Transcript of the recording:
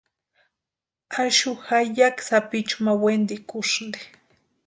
Axu jayaki sapichu ma wentikusïnti.